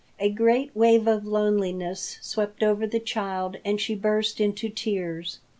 A great wave of loneliness swept over the child and she burst into tears.